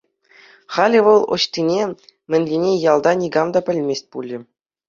Халӗ вӑл ӑҫтине, мӗнлине ялта никам та пӗлмест пулӗ.